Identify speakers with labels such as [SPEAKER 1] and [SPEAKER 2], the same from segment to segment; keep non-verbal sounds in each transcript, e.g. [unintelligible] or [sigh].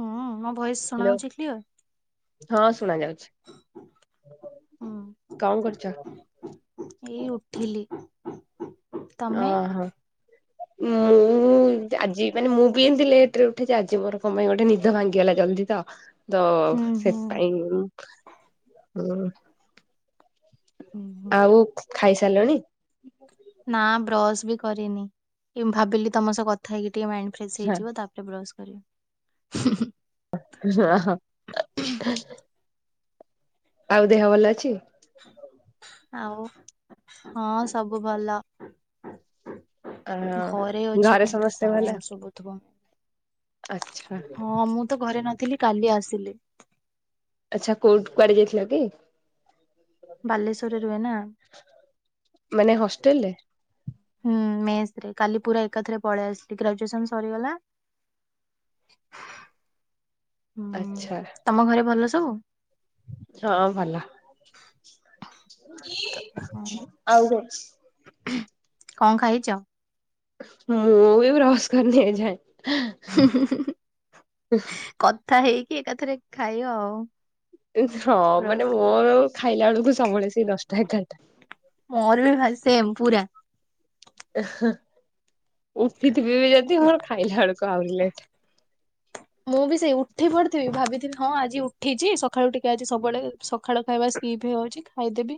[SPEAKER 1] ହଁ ମୋ ଭୟେସ ଶୁଣା
[SPEAKER 2] ହ୍ୟାଲୋ
[SPEAKER 1] ହଉଛି କ୍ଲିଅର?
[SPEAKER 2] ହଁ ଶୁଣା ଯାଉଛି
[SPEAKER 1] ହୁଁ
[SPEAKER 2] କଣ କରୁଛ?
[SPEAKER 1] ଏଇ ଉଠିଲି
[SPEAKER 2] ଅ
[SPEAKER 1] ତମେ
[SPEAKER 2] ହୋ ମୁଁ ଆଜି ମାନେ ମୁଁ ବି ଏମତି ଲେଟରେ ଉଠିଛି ଆଜି ମୋର କଣ ପାଇଁ ଗୋଟେ ନିଦ ଭାଙ୍ଗିଗଲା ଜଲଦି ତ ତ
[SPEAKER 1] ହୁଁ ହୁଁ
[SPEAKER 2] ସେଥିପାଇଁ ଉଁ ଆ
[SPEAKER 1] ହୁଁ ହୁଁ।
[SPEAKER 2] ଆଉ ଖାଇସାରିଲଣି?
[SPEAKER 1] ନା ବ୍ରଶ୍ ବି କରିନି ଏ ଭାବିଲି ତମ ସହ କଥା ହେଇ ଟିକେ ମାଇଣ୍ଡ ଫ୍ରେଶସ୍
[SPEAKER 2] ହଁ
[SPEAKER 1] ହେଇଯ ତାପରେ ବ୍ରସ୍ [inaudible]
[SPEAKER 2] [unintelligible] ଆଉ ଦେହ ଭଲ ଅଛି?
[SPEAKER 1] ଆଉ ହଁ ସବୁ ଭଲ।
[SPEAKER 2] ଅ
[SPEAKER 1] ଘରେ ଅଛି
[SPEAKER 2] ଘରେ
[SPEAKER 1] କଣ
[SPEAKER 2] ସମସ୍ତେ ଭଲ
[SPEAKER 1] ସାଉଣ୍ଡ ସବୁ ଥୁବ।
[SPEAKER 2] ଆଚ୍ଛା
[SPEAKER 1] ହଁ ମୁଁ ତ ଘରେ ନ ଥିଲି କାଲି ଆସିଲି
[SPEAKER 2] ଆଚ୍ଛା କୋଉଠ କୁଆଡେ ଯାଇଥିଲ କି?
[SPEAKER 1] ବାଲେଶ୍ଵରରେ ରୁହେ ନା
[SPEAKER 2] ମାନେ ହଷ୍ଟେଲରେ
[SPEAKER 1] ହୁଁ ମେସ୍ ରେ କାଲି ପୁରା ଏକାଥରେ ପଳି ଆସିଲି ଗ୍ରାଜୁଏସନ୍ ସରିଗଲା। ହୁଁ ତମ ଘରେ ଭଲ ତୋ
[SPEAKER 2] ସଁ ଭଲ। ଆଉ-
[SPEAKER 1] କଁ ଖାଇଚ?
[SPEAKER 2] ହୁଁ ମୁଁ ବି ବ୍ରସ୍ କରି ନି ଏଯାଏ।
[SPEAKER 1] କଥା ହେଇ ଏକାଥରେ ଖାଇଆ ଆଉ।
[SPEAKER 2] ହଁ
[SPEAKER 1] ବ୍ରସ୍
[SPEAKER 2] ମାନେ ମୋରୋ ଖାଇଲା ବେଳକୁ ସବୁବେଳେ ସେଇ ଦଶଟା ଏଗାରଟା।
[SPEAKER 1] ମୋର ବି ଭା ସେମ ପୁରା।
[SPEAKER 2] ଉଠିଥିବେ ବି ଯଦି ହ ଖାଇଲା ବେଳକୁ ଆହୁରିି ଲେ
[SPEAKER 1] ମୁଁ ବି ସେଇ ଉଠି ପଡିଥିବି ଭାବିଥିନି ହଁ ଆଜି ଉଠିଚି ସଖାଳୁ ଟିକେ ଆଜି ସବୁଆଡେ ଖାଳ ଖାଇବା ସ୍ଲିପ୍ ହେଇ ଆଉଚି ଖାଇଦେବି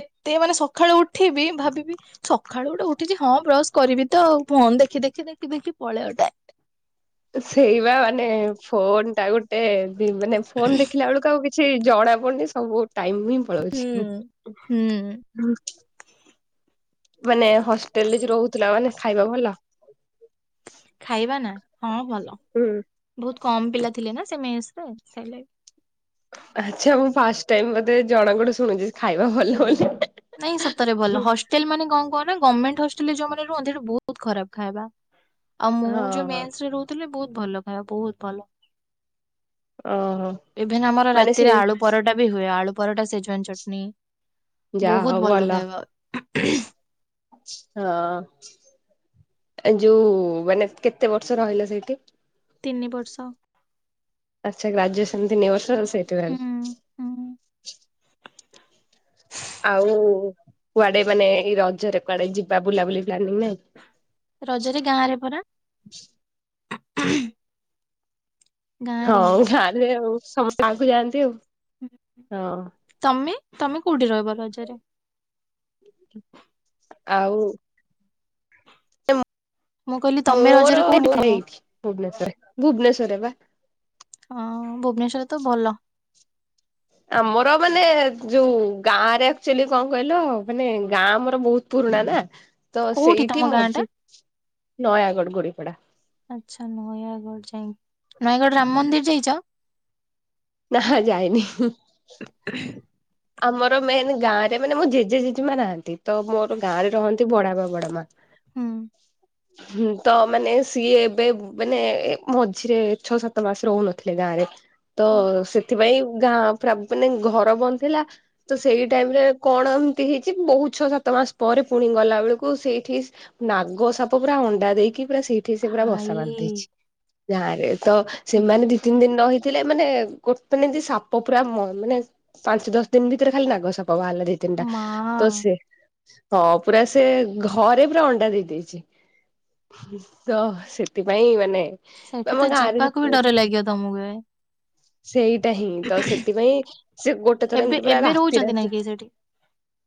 [SPEAKER 1] ଏତେ ମାନେ ସକାଳୁ ଉଠିବି ଭାବିବି ସକାଳୁ ଗୋଟେ ଉଠିଛି ହଁ ବ୍ରଶ କରିବି ତ ଫୋନ ଦେଖି ଦେଖି ଦେଖି ଦେଖି ପଳେଇଅ ଟା
[SPEAKER 2] ସେଇବା ମାନେ ଫୋନ ଟା ଗୋଟେ ମାନେ ଫୋନ ଦେଖିଲା ବେଳକୁ ଆଉ କି ଛି ଜଣା ପଡୁନି ସବୁ ଟାଇମ୍ ହିଁ
[SPEAKER 1] ହୁଁ ହୁଁ
[SPEAKER 2] ପଳୋଉଛି। ମାନେ ହଷ୍ଟେଲରେ ଯେ ରହୁଥିଲା ମାନେ ଖାଇବା ଭଲ?
[SPEAKER 1] ଖାଇବା ନା ହଁ ଭଲ
[SPEAKER 2] ହୁଁ
[SPEAKER 1] ବହୁତ କମ୍ ପିଲା ଥିଲେ ନା ସେ ମେସରେ ସେଇଲାଗି-
[SPEAKER 2] ଆଚ୍ଛା ମୁଁ ଫାଷ୍ଟ୍ ଟାଇମ୍ ବୋଧେ ଜଣଙ୍କଠୁ ଶୁଣୁଛି ଖାଇବା ଭଲ ବୋଲି।
[SPEAKER 1] ନାଇଁ ସତରେ ଭଲ ହଷ୍ଟେଲ୍ ମାନେ କଣ କୁହନା ଗମେଣ୍ଟ୍ ହଷ୍ଟ [unintelligible] ଯୋଉମାନେ ରୁହନ୍ତି ସେଠି ବହୁତ୍ ଖରାପ୍ ଖାଇବା। ଆଉ ମୁଁ ଯୋଉ
[SPEAKER 2] ହଁ
[SPEAKER 1] ମେସରେ ରହୁଥିଲି ବହୁତ୍ ଭଲ ଖାଇବା ବହୁତ୍ ଭଲ।
[SPEAKER 2] ଓହୋ
[SPEAKER 1] ଇଭିନ୍ ଆମର
[SPEAKER 2] ମାନେ ସେ
[SPEAKER 1] ରାତିରେ ଆଳୁ ପରଟା ବି ହୁଏ ଆଳୁ ପରଟା ସେଜୱାନ୍ ଚଟନି
[SPEAKER 2] ଯାହା ହଉ
[SPEAKER 1] ବହୁତ ଭଲ ଖାଇବା [unintelligible]
[SPEAKER 2] [inaudible] ହଁଅଅ ଏ ଯୋଉ ମାନେ କେତେ ବର୍ଷ ରହିଲ ସେଇଠି?
[SPEAKER 1] ତିନି ବର୍ଷ।
[SPEAKER 2] ଆଚ୍ଛା ଗ୍ରାଜୁଏସ୍ [unintelligible] ବର୍ଷ ସେଇଠି ରହିଲ।
[SPEAKER 1] ହୁଁ ହୁଁ।
[SPEAKER 2] ଆଉଉ କୁଆଡେ ମାନେ ଏଇ ରଜରେ କୁଆଡେ ଯିବା ବୁଲାବୁଲି ପ୍ଲାନିଂ ନାହିଁ
[SPEAKER 1] ରଜରେ ଗାଁ ରେ ପରା। [unintelligible] ଗାଁ ରେ ହିଁ।
[SPEAKER 2] ହଉ ଗାଁରେ ଆଉ। ସମସ୍ ଗାଁକୁ ଯାଆନ୍ତି ଆଉ।
[SPEAKER 1] ତମେ? ତମେ କୋଉଠି ରହିବ ରଜରେ?
[SPEAKER 2] ଆଉ
[SPEAKER 1] ମୁଁ କହିଲି ତମେ ରଜରେ
[SPEAKER 2] ମୋର [unintelligible]
[SPEAKER 1] କୋଉଠି ଥିବ?
[SPEAKER 2] ମୋଏଇଠି ଭୁବନେଶ୍ଵର ଭୁବନେଶ୍ବରରେ ବା।
[SPEAKER 1] ହଁଅଅ ଭୁବନେଶ୍ବରରେ ତ ଭଲ।
[SPEAKER 2] ଆମର ମାନେ ଯୋଉ ଗାଁରେ ଆକ୍ଚୁଆଲି କଣ କହିଲ ମାନେ ଗାଁ ଆମର ବହୁତ ପୁରୁଣା ନା ତ
[SPEAKER 1] କୋଉଠି
[SPEAKER 2] ସେଇଠି
[SPEAKER 1] ତମ
[SPEAKER 2] ମଝି
[SPEAKER 1] ଗାଁଆଟା?
[SPEAKER 2] ନୟାଗଡ ଗୋଡିପଡା
[SPEAKER 1] ଆଚ୍ଛା ନୟାଗଡ ଯାଇ, ନୟାଗଡ ରାମ ମନ୍ଦିର ଯାଇଚ?
[SPEAKER 2] ନା ଯାଇନି। ଆମର ମେନ୍ ଗାଁରେ ମାନେ ମୋ ଜେଜେ ଜେଜେମା ନାହାନ୍ତି ତ ମୋର ଗାଁରେ ରହନ୍ତି ବଡବା ବଡମା।
[SPEAKER 1] ହୁଁ।
[SPEAKER 2] ହୁଁ ତ ମାନେ ସିଏ ଏବେ ମାନେ ମଝିରେ ଛଅ ସାତ ମାସ ରହୁନଥିଲେ ଗାଁରେ ତ ସେଥିପାଇଁ ଗାଁ ପୁରା ମାନେ ଘର ବନ୍ଦ୍ ଥିଲା ତ ସେଇ ଟାଇମରେ କଣ ଏମିତି ହେଇଛି ବହୁତ ଛଅ ସାତ ମାସ ପରେ ପୁଣି ଗଲା ବେଳକୁ ସେଇଠି ନାଗ ସାପ ପୁରା ଅଣ୍ଡା ଦେଇକି ପୁରା ସେଇଠି ସେ ପୁରା ବସା
[SPEAKER 1] ଭାଇ
[SPEAKER 2] ବାନ୍ଧି ଦେଇଛି। ଗାଆଁରେ। ତ ସେମାନେ
[SPEAKER 1] ଭାଇ
[SPEAKER 2] ଦି ତିନି ଦିନ ରହି ଥିଲେ ମାନେ ଗୋଟେ [unintelligible] ସାପ ପୁରା [unintelligible] ପାଞ୍ଚ ଦଶ ଦିନ ଭିତରେ ଖାଲି ନାଗ ସାପ ତ ବାହାରିଲେ ଦି ତିନଟା
[SPEAKER 1] ମା
[SPEAKER 2] ତ ସେ ହଁ ପୁରା ସେ ଘରେ ପୁରା ଅଣ୍ଡା ଦେଇ ଦେଇଚି, ତ ସେଥିପାଇଁ ମାନେ
[SPEAKER 1] ସେଠି
[SPEAKER 2] ଆମ
[SPEAKER 1] ତ
[SPEAKER 2] ଗାଁରେ
[SPEAKER 1] ଯିବାକୁ ବି ଡର ଲାଗିବ ତୋମକୁ ଏବେ।
[SPEAKER 2] ସେଇ ଟା ହିଁ ତ ସେଥିପାଇଁ ସେ ଗୋଟେ ଥର
[SPEAKER 1] ଏବେ
[SPEAKER 2] ଏମତି ପୁରା
[SPEAKER 1] ଏବେ
[SPEAKER 2] ରାତିରେ
[SPEAKER 1] ରହୁଛନ୍ତି ନା
[SPEAKER 2] ଆସି
[SPEAKER 1] କି ସେଠି?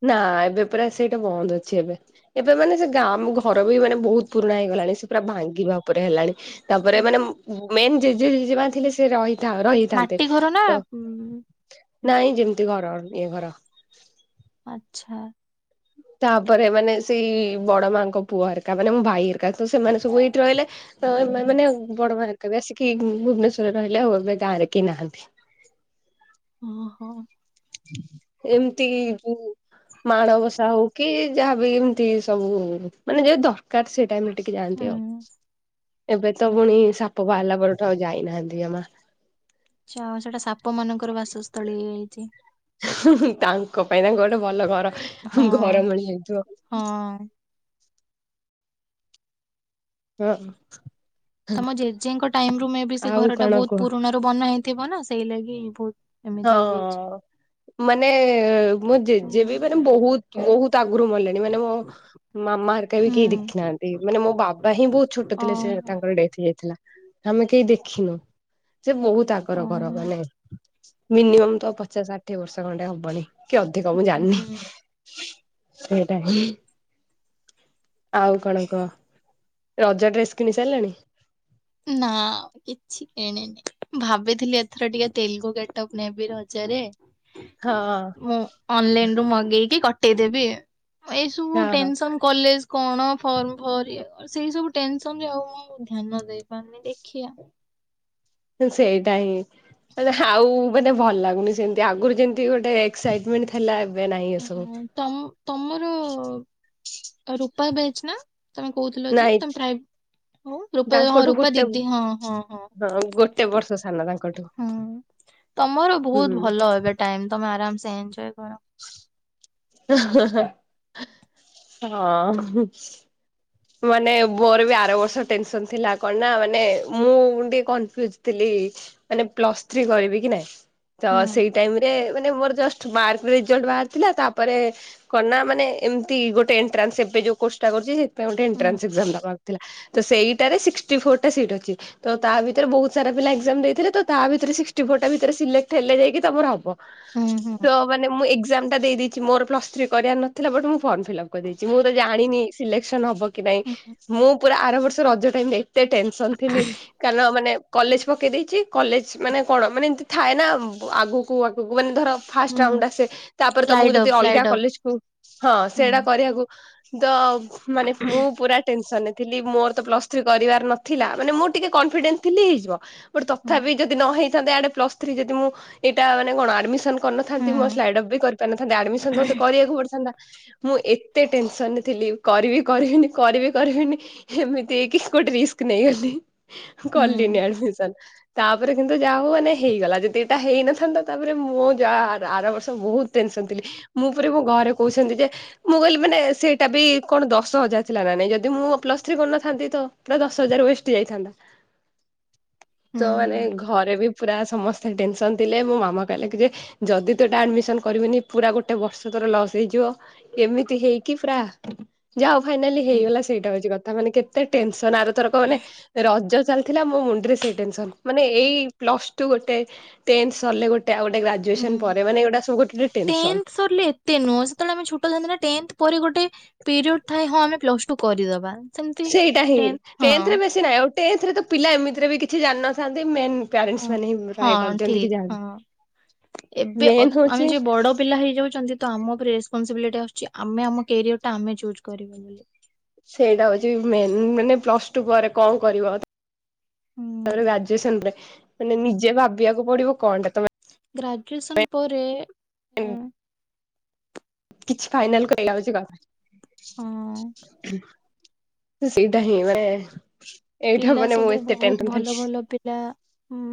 [SPEAKER 2] ନା ଏବେ ପୁରା ସେଇଟା ବନ୍ଦ ଅ ଛି ଏବେ ଏବେ ମାନେ ସେ ଗାଁ ଆମ ଘର ବି ମାନେ ବହୁତ ପୁରୁଣା ହେଇଗଲାଣି ସେ ପୁରା ଭାଙ୍ଗିବା ଉପରେ ହେଲାଣି। ତାପରେ ମାନେ ମୁଁ ମେନ୍ ଜେଜେ ଜେଜେମା ଥିଲେ ସେ ରହିଥାଅର ଥାଆନ୍ତେ
[SPEAKER 1] ମାଟି ଘର ନା
[SPEAKER 2] ତ
[SPEAKER 1] ଉଁ
[SPEAKER 2] ନାଇଁ ଯେମିତି ଘର ଏ ଘର
[SPEAKER 1] ଆଚ୍ଛା।
[SPEAKER 2] ତାପରେ ମାନେ ସେଇ ବଡ ମାଙ୍କ ପୁଅ ହେରକା ମାନେ ମୋ ଭାଇ ହେରକା ତ ସେମାନେ ସବୁ ଏଇଠି ରହିଲେ। ତ ମାନେ ବଡ ଭା ତେବେ ଆସିକି ଭୁ ଭୁବନେଶ୍ଵରରେ ରହିଲେ ଆଉ ଏବେ ଗାଁ ରେ କେହି ନାହାଁନ୍ତି।
[SPEAKER 1] ଓହୋ।
[SPEAKER 2] ଏମିତି ଯୋଉ ମାଣବସା ହଉ କି ଯାହାବି ଏମିତି ସବୁ ମାନେ ଯେ ଦରକାର ସେଇଟା ମିଳ ଟିକେ
[SPEAKER 1] ହୁଁ
[SPEAKER 2] ଯାଆନ୍ତି ଆଉ ଏବେ ତ
[SPEAKER 1] ହୁଁ।
[SPEAKER 2] ପୁଣି
[SPEAKER 1] ଆଚ୍ଛା
[SPEAKER 2] ସାପ ବାହାରିଲା ପର ତ ଯାଇନାହାନ୍ତି ଯମା।
[SPEAKER 1] ଆଚ୍ଛା ଆଉ ସେଟା ସାପ ମାନଙ୍କର ବାସସ୍ଥଳୀ ହେଇଯାଇଛି।
[SPEAKER 2] ତାଙ୍କ ପାଇଁ ନା ଗୋଟେ ଭଲ ଘର।
[SPEAKER 1] ହଁ
[SPEAKER 2] ଆମ ଘର ମିଳିଯାଇଥିବ।
[SPEAKER 1] ହଁ।
[SPEAKER 2] ଓ, ଥ
[SPEAKER 1] ତୋମ ଜେଜେଙ୍କ ଟାଇମ୍ ରୁ ମେ ବି ସେ
[SPEAKER 2] ଆଉ
[SPEAKER 1] ଘର ଟା
[SPEAKER 2] କଣ
[SPEAKER 1] ବହୁତ
[SPEAKER 2] କୁହ?
[SPEAKER 1] ପୁରୁଣ ର ବନା ହେଇ ଥିବ ନା ସେଇ ଲାଗି ବହୁତ
[SPEAKER 2] ହଁ
[SPEAKER 1] ଏମିତି ହେଇଯାଇଛି
[SPEAKER 2] ମାନେ ମୁଁ ଜେଜେ ବି
[SPEAKER 1] ହୁଁ
[SPEAKER 2] ମାନେ ବହୁତ ବହୁତ ଆ ଗରୁ ମଲେଣି ମାନେ ମୋ ମାମା ହେରକା ବି କେହି
[SPEAKER 1] ହୁଁ।
[SPEAKER 2] ଦେଖି ନାହାଁନ୍ତି, ମାନେ ମୋ ବାବା ହିଁ ବହୁତ ଛୋଟ ଥିଲେ ସେ
[SPEAKER 1] ଓହୋ।
[SPEAKER 2] ତାଙ୍କର ଡେଥ୍ ହେଇଯାଇଥିଲା। ଆମେ କେହି ଦେଖିନୁ। ସେ ବହୁତ ଆଗର ଘର
[SPEAKER 1] ଓହୋ
[SPEAKER 2] ମାନେ ହଁ। ମିନିମମ୍ ତ ପଚା ଷାଠିଏ ବର୍ଷ ଖଣ୍ଡେ ହବଣି। କି ଅଧିକ ମୁଁ
[SPEAKER 1] ହୁଁ
[SPEAKER 2] ଜାଣିନି।
[SPEAKER 1] ହୁଁ
[SPEAKER 2] ସେଇଟା ହିଁ ଆଉ କଣ କହ? ରଜ ଡ୍ରେସ୍ କିଣି ସାରିଲଣି?
[SPEAKER 1] ନା କିଛି କିଣିନି। ଭାବିଥିଲି ଏଥର ଟିକେ ତେଲୁଗୁ ଗେଟପ ନେବି ରଜରେ।
[SPEAKER 2] ହଁ
[SPEAKER 1] ମୁଁ ଅନଲାଇନ ରୁ ମଗେଇକି କ ଟେଇ ଦେବି ଏଇ ସବୁ
[SPEAKER 2] ହଁ
[SPEAKER 1] ଟେନସନ କଲେଜ କଣ ଫର୍ମ ଭରିଆ। ସେଇ ସବୁ ଟେନସନ ରେ ଆଉ ମୁଁ ଧ୍ୟାନ ଦେଇ ଦେଇ ପାରିନି ଦେଖିଆ।
[SPEAKER 2] ସେଇଟା ହିଁ ମେ ଆଉ ମାନେ ଭଲ ଲାଗୁନି ସେମତି ଆଗରୁ ଯେମିତି ଗୋଟେ ଏକ୍ସାଇଟମେଣ୍ଟ ଥିଲା। ଏବେ ନାହିଁ
[SPEAKER 1] ହ
[SPEAKER 2] ଏସବୁ
[SPEAKER 1] ତମ ତମର ତ ପ ବେଚ ନା [unintelligible] ତମେ କହୁଥିଲ
[SPEAKER 2] ନାଇଁ
[SPEAKER 1] ଯେମେ ହଁ
[SPEAKER 2] ତାଙ୍କଠୁ
[SPEAKER 1] ରୂପା
[SPEAKER 2] ଗୋଟେ
[SPEAKER 1] ଦିଦି ହଁ ହଁ ହଁ
[SPEAKER 2] ଗୋଟେ ବର୍ଷ ସାନ ତାଙ୍କଠୁ
[SPEAKER 1] ହଁ। ତମର
[SPEAKER 2] ହୁଁ
[SPEAKER 1] ବହୁତ ଭଲ ଏବେ ଟାଇମ ତମେ ଆରାମ ସେ। ଏନ୍ଜୟ କ
[SPEAKER 2] [inaudible] [inaudible] ହଁ। ମାନେ ମୋର ବି ଆର ବର୍ଷ ଟେନସନ ଥିଲା କଣ ନା ମାନେ ମୁଁ ଟିକେ କନଫ୍ୟୁଜ ଥିଲି ମାନେ ପ୍ଲସ ଥ୍ରୀ କରିବି କି ନାଇଁ। ତ
[SPEAKER 1] ହୁଁ
[SPEAKER 2] ସେଇ ଟାଇମ ରେ। ମାନେ ମୋର ଜଷ୍ଟ ମାର୍କ ରେଜଲ୍ଟ ବାହାରିଥିଲା। ତାପରେ କନା ମାନେ ଏମିତି ଗୋଟେ ଏଣ୍ଟ୍ରାନ୍ସ ଏବେ ଯୋଉ କୋର୍ସଟା କରୁଛି ସେ ଗୋଟେ
[SPEAKER 1] ହୁଁ
[SPEAKER 2] ଏଣ୍ଟ୍ରାନ୍ସ ଏକ୍ସମ୍ ଦବାରେ ଥିଲା। ତ ସେଇ। ଟାରେ ସିକ୍ସଟି ଫୋର ଟା ସିଟ୍ ଅଛି। ତ ତା ଭିତରେ ବହୁତ ସାରା ପିଲା ଏକ୍ଜାମ ଦେଇଥିଲେ। ତ ତା ଭିତରେ ସିକ୍ସଟି ଫୋର ଟା ଭିତରେ ସିଲେକ୍ଟ ହେଲେ ଯାଇକି ତମର ହବ।
[SPEAKER 1] ହୁଁ ହୁଁ
[SPEAKER 2] ତ ମାନେ ମୁଁ ଏକ୍ଜାମ ଟା ଦେଇଦଇ ମୋର ପ୍ଲସଥ୍ରୀ କରିବାର ନଥିଲା। ବଟ ମୁଁ ଫର୍ମ ଫପ୍ କରିଦେଇଛି। ମୁଁ ତ ଜାଣିନି ସିଲେ [inaudible] ନବ କି ନାଇଁ
[SPEAKER 1] ହୁଁ
[SPEAKER 2] ମୁଁ ପୁରା ଆରମ୍ବ ରଜ ଟାଇମ ଏତେ ଟେନ୍ ସନ ଥିଲି। କାରଣ ମାନେ। କଲେଜ ପକେଇ ଦେଇଛି। କଲେଜ ମାନେ କଣ ମାନେ ଏମତି ଥାଏ ନା ଆଗକୁ ଆଗକୁ ମାନେ ଧର। ଫାଷ୍ଟ
[SPEAKER 1] ହୁଁ
[SPEAKER 2] [inaudible] ତାପରେ ତମକୁ
[SPEAKER 1] ସ୍ଲାଇଡ
[SPEAKER 2] ଯଦି
[SPEAKER 1] ଅପ୍
[SPEAKER 2] ଅଲଗା
[SPEAKER 1] ସ୍ଲାଇଡ ଅପ୍
[SPEAKER 2] କଲେଜକୁ ହଁ
[SPEAKER 1] ହୁଁ
[SPEAKER 2] ସେଟା କରିବାକୁ। ଦ [unintelligible] ମାନେ ମୁଁ ପୁରା ଟେନସନ ଥିଲି ମୋର ତ ପ୍ଲସ ଥ୍ରୀ କରିବାର ନଥିଲା। ମାନେ ମୁଁ ଟିକେ କନଫିଡେନ୍ସ ଥିଲି ହେଇଯିବ। ଗୋଟେ
[SPEAKER 1] ହୁଁ
[SPEAKER 2] ତଥାପି ଯଦି ନ ହେଇ ଆଡେ ପ୍ଲସଥ୍ରୀ ଯଦି ମୁ ଏଇଟା ମାନେ କଣ ଆଡମିସନ
[SPEAKER 1] ହୁଁ
[SPEAKER 2] କରିନଥାନ୍ତି ମୋ ସ୍ଲାଇଡ୍ପ୍ ବି କରିାରିଥାନ୍ତି। ଆଡମିସନ ତ କରିବାକୁ ପଡିଥାନ୍ତା। ମୁଁ ଏତେ ଟେନସନ ରେ ଥିଲି। କରିବି କରିବନି କରିବି କରିବେନି ଏମିତି ହେଇ କି ଗୋଟେ ରିସ୍କ ନେଇଗଲି।
[SPEAKER 1] ହୁଁ
[SPEAKER 2] କଲିନି ଆଡମିସନ୍। ତାପରେ କିନ୍ତୁ ଯାହା ହଉ ମାନେ ହେଇଗଲା ଯଦି ଏଇଟା ହେଇନଥାନ୍ତା ତାପରେ ମୁଁ ଯାହା ଆର ବର୍ଷ ବହୁତ ଟେନସନ ଥିଲି ମୁଁ ଉପରେ ମୋ ଘରେ କହୁଛନ୍ତି ଯେ ମୁଁ କହିଲି ମାନେ ସେଇଟା ବି କଣ ଦଶ ହଜାର ଥିଲା ନା ନାଇଁ ଯଦି ମୁଁ ପ୍ଲସ ଥ୍ରୀ କରିନଥାନ୍ତି ତ ପୁରା ଦଶ ହଜାର ୱେଷ୍ଟ ହେଇ ଯାଇଥାନ୍ତା। ତ ମାନେ
[SPEAKER 1] ହୁଁ
[SPEAKER 2] ଘରେ ବି ପୁରା ସମସ୍ତେ ଟେନସନ ଥିଲେ, ମୋ ମାମା କହିଲେ କି ଯେ ଯଦି ତୁଟା ଆଡମିସନ କରିବୁନି ପୁରା ଗୋଟେ ବର୍ଷ ତର ଲସ୍ ହେଇଯିବ ଏମିତି ହେଇକି ପୁରା ଯା ହଉ ଫାଇନାଲି ହେଇଗଲା ସେଇଟା ହଉଛି କଥା ମାନେ କେତେ ଟେନସନ ଆରଥରକ ମାନେ ରଜ ଚାଲିଥିଲା ମୋ ମୁଣ୍ଡରେ ସେଇ ଟେନସନ ମାନେ ଏଇ ପ୍ଲସ ଟୁ ଗୋଟେ, ଟେ ନସ୍ ସରିଲେ ଗୋଟେ। ଆଉ ଗୋଟେ
[SPEAKER 1] ହଁ
[SPEAKER 2] ଗ୍ରାଜୁଏସନ ପରେ ମାନେ ଏଗୁଡା ସବୁ ଗୋଟେ ଗୋଟେ ଟେନସନ
[SPEAKER 1] ଟେନ୍ଥ ସରିଲେ ଏତେ ନୁହଁ ସେତେବେଳେ ଆମେ ଛୁଟ ଯାଆନ୍ତି ନା ଟେନଥ ପରେ ଗୋଟେ ପିରିୟଡ ଥାଏ ହଁ ଆମେ ପ୍ଲସ ଟୁ କରିଦବା। ସେମିତି
[SPEAKER 2] ସେଇଟା ହିଁ
[SPEAKER 1] ଟେନ୍ଥ
[SPEAKER 2] ଟେନ୍ଥରେ
[SPEAKER 1] ହଁ
[SPEAKER 2] ବେଶୀ ନାହିଁ, ଟେନଥରେ ତ ପିଲା ଏମିତିରେ ବି କିଛି ଜାଣିନଥାନ୍ତି, ମେନ
[SPEAKER 1] ହ ହଁ ଠିକ ହଁ ଏବେ
[SPEAKER 2] ମେନ୍ ହଉଛି
[SPEAKER 1] ଆମେ ଯ ବଡ ପିଲା ହେଇଯାଉଛନ୍ତି ତ ଆମ ଉପରେ ରେସପନସିବିଲିଟି ଆସୁ ଆମେ ଆମ କ୍ୟାରିୟର ଟା ଆମେ ଚୁଜ କରବୁ ବୋଲି
[SPEAKER 2] ସେଇଟା ହଉଛି ମେ ମାନେ ପ୍ଲସ ଟୁ ପରେ କଣ କରିବ, ତାପରେ ଗ୍ରାଜୁଏସନ ପରେ, ମାନେ ନିଜେ ଭାବିବାକୁ ପଡିବ କଣ ଟା ତମେ
[SPEAKER 1] ଗ୍ରାଜୁଏସନ୍ ପରେ, ହୁଁ
[SPEAKER 2] କିଛି ଫାଇନାଲ କହିଲ ଅଛି କ ହଁ।
[SPEAKER 1] ହଁ
[SPEAKER 2] ସେଇଟା ହିଁ ମାନେ, ଏଇଟା
[SPEAKER 1] ପିଲା
[SPEAKER 2] ମାନେ ମୁଁ
[SPEAKER 1] ସବୁ
[SPEAKER 2] ଏତେ
[SPEAKER 1] ବହୁତ
[SPEAKER 2] ଟେନସନ
[SPEAKER 1] ଭଲ
[SPEAKER 2] ଥିଲି
[SPEAKER 1] ଭଲ ପିଲା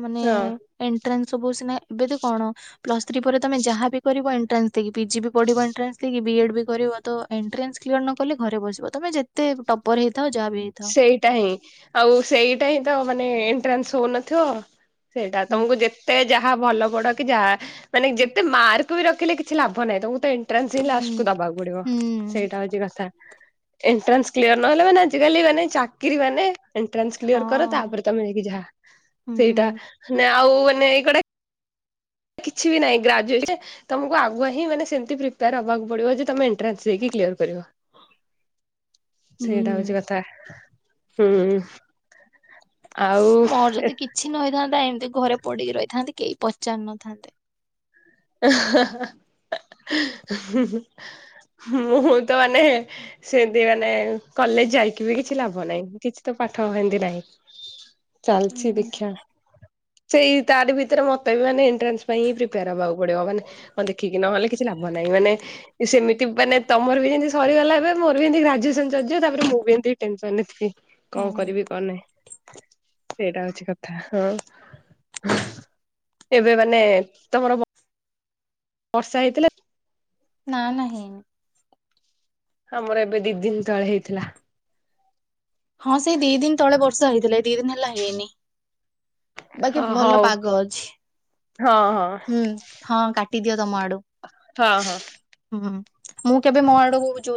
[SPEAKER 1] ମାନେ
[SPEAKER 2] ହଁ
[SPEAKER 1] ଏଣ୍ଟ୍ରାନ୍ସ ସବୁ ସିନା ଏବେ ତ କଣ ପ୍ଲସ୍ ଥ୍ରୀ ପରେ ତମେ ଯାହା ବି କରିବ ଏଣ୍ଟ୍ରାସକି ପିଜି ବି ପଢ଼ିବ ଏଣ୍ଟ୍ରାନ୍ସ ଦେଇକି ବି ଏଡ୍ ବି କରିବ ତ ଏଣ୍ଟ୍ରାନ୍ସ କ୍ଲିୟର ନ କଲେ ଘରେ ବସିବ ତମେ ଯେତେ ଟପର ହେଇ
[SPEAKER 2] ସେଇଟା ହିଁ,, ଆଉ ସେଇଟା ହିଁ ତ ମାନେ ଏଣ୍ଟ୍ରାନ୍ସ ହଉନଥିବ ସେଇଟା
[SPEAKER 1] ହୁଁ
[SPEAKER 2] ତମକୁ ଯେତେ ଯାହା ଭଲ ପଡ କି ଯାହା ମାନେ
[SPEAKER 1] ହୁଁ
[SPEAKER 2] ଯେତେ ମାର୍କ ବି ରଖିଲେ କିଛି ଲାଭ ନାହିଁ ତ ତ ଏଣ୍ଟ୍ରାନ୍ସ ହିଁ ଲାଷ୍ଟ କୁ ଦବାକୁ ପଡିବ
[SPEAKER 1] ହୁଁ
[SPEAKER 2] ସେଇଟା ହଉଛି କଥା। ଏଣ୍ଟ୍ରାନ୍ସ କ୍ଲିୟର ନହଲେ ମାନେ ଆଜି କାଲି ମାନେ ଚାକିରି ମାନେ, ଏଣ୍ଟ୍ରାସ୍ କ୍ଲିଅର କର
[SPEAKER 1] ହଁ
[SPEAKER 2] ତାପରେ ତମେ ଯାଇକି ଯାହା, ସେଇଟା
[SPEAKER 1] ହୁଁ।
[SPEAKER 2] ଆଉ ମାନେ ଏଇ କଡ କିଛି ବି ନାହିଁ ଗ୍ରାଜୁଏସନ୍ ତମକୁ ଆଗଆ ହିଁ ମାନେ ସେମତି ପ୍ରିପେୟାର ହେବାକୁ ପଡିବ ଯେ ତମେ ଏଣ୍ଟାନ୍ସ ଦେଇକି କ୍ଲିଅର କରିବ, ସେଇଟା
[SPEAKER 1] ହୁଁ
[SPEAKER 2] ହଉଛି କଥା ହୁଁ ଆଉ
[SPEAKER 1] ମୋର ଯଦି କିଛି ନହେଇ ଥାନ୍ତା। ଏମତି ଘରେ ପଡିକି ରହିଥାଆନ୍ତି କେଇ ପଚାରି ନଥାନ୍ତେ।
[SPEAKER 2] ଏ-ହା-ହା, ହୁଁ-ହୁଁ-ହୁଁ, ମୁଁ ତ ମାନେ ସେମତି ମାନେ କଲେଜ ଯାଇକି ବି କିଛି ଲାଭ ନାହିଁ। କିଛି ତ ପାଠ ହେମିତି ନାହିଁ। ଚାଲଚି
[SPEAKER 1] ହୁଁ
[SPEAKER 2] ଦେଖିଆ। ସେଇ ତାରି ଭିତରେ ମତେ ବି ମାନେ ଏଣ୍ଟ୍ରାନ୍ସ ପାଇଁ ହଁ ପ୍ରିପେୟାର ହବା କୁ ପଡ଼ିବ ମାନେ ହଁ ଦେଖିକି ନ ହେଲେ କିଛି କିଛି ଲାଭ ନାହିଁ ସେମିତି ମାନେ ତମର ବି ସେମିତି ସରିଗଲା ଏବେ ମୋର ବି ଏମିତି ଗ୍ରାଜୁଏସନ ସରିଯିବ ତାପରେ ମୁଁ ବି ଏମିତି ଟେନସନ ରେ ଥିବି। କଅ
[SPEAKER 1] ହୁଁ
[SPEAKER 2] କରିବି କଣ ନାଇଁ। [inaudible] ସେଇଟା ହୋଉଚି କଥା ହଁ ହୁଁ ଏବେ ମାନେ ତମର ବ ବର୍ଷା ହେଇଥିଲା? [inaudible]
[SPEAKER 1] ନା ନା ହେଇନି।
[SPEAKER 2] ଆମର ଏବେ ଦି ଦିନ ତଳେ ହେଇଥିଲା।
[SPEAKER 1] ହଁ ସେଇ ଦି ଦିନ ତଳେ ବର୍ଷ ହେଇଥିଲା। ଏତେ ଦି ଦିନି ହେଲା ହେଇନି। [inaudible] ବାକି
[SPEAKER 2] ହଁ
[SPEAKER 1] ଭଲ
[SPEAKER 2] ହଉ
[SPEAKER 1] ପାଗ ଅଛି।
[SPEAKER 2] ହଁ ହଁ
[SPEAKER 1] ହୁଁ ହଁ କାଟିଦିଅ ତମ ଆଡୁ
[SPEAKER 2] ହଁ ହଁ।
[SPEAKER 1] ହୁଁ ମୁଁ କେବେ ମୋ ଆଡକୁ ଯୋଉ